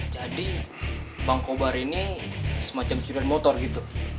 jadi bang koba ini semacam curian motor gitu